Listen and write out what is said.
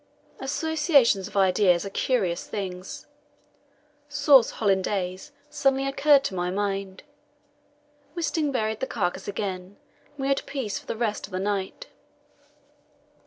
Associations of ideas are curious things; "sauce hollandaise" suddenly occurred to my mind. Wisting buried the carcass again, and we had peace for the rest of the night.